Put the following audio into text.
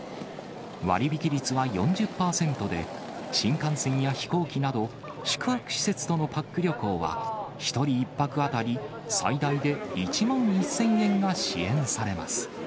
割引率は４０％で、新幹線や飛行機など、宿泊施設とのパック旅行は、１人１泊当たり最大で１万１０００円が支援されます。